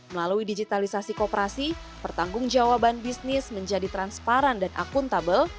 melalui digitalisasi koperasi pertanggungjawaban bisnis menjadi transparan dan akuntabel